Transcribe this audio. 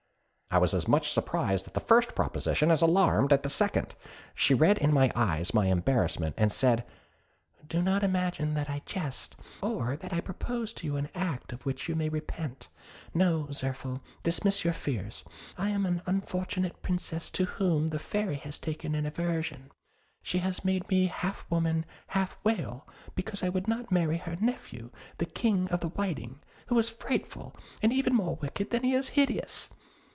I was as much surprised at the first proposition as alarmed at the second. She read in my eyes my embarrassment, and said, 'Do not imagine that I jest, or that I propose to you an act of which you may repent. No, Zirphil, dismiss your fears; I am an unfortunate Princess to whom the Fairy has taken an aversion; she has made me half woman, half whale because I would not marry her nephew, the King of the Whiting, who is frightful, and even more wicked than he is hideous.